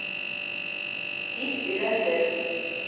-тип һөйләнде.